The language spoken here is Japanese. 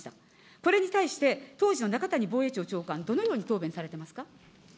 これに対して、当時の中谷防衛庁長官は、どのように答弁されてますか。